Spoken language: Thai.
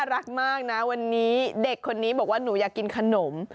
รักมากนะวันนี้เด็กคนนี้บอกว่าหนูอยากกินขนม